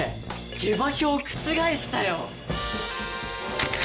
下馬評を覆したよ！